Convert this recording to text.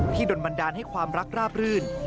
ที่ดนต์บันดาลให้ความรักร่าบลื่น